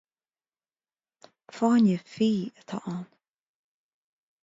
Fáinne fí atá ann.